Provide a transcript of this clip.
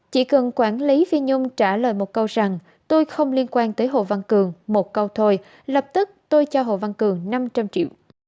chỉ cần quản lý phi nhung trả lời một câu rằng tôi không liên quan tới hồ văn cường một câu thôi lập tức tôi cho hồ văn cường năm trăm linh triệu